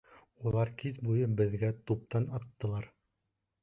Улар кис буйы беҙгә туптан аттылар.